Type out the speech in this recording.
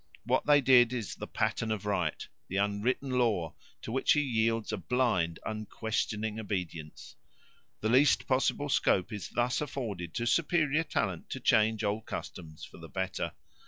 What they did is the pattern of right, the unwritten law to which he yields a blind unquestioning obedience. The least possible scope is thus afforded to superior talent to change old customs for the better.